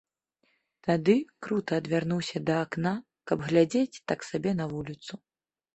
Тады крута адвярнуўся да акна, каб глядзець так сабе на вуліцу.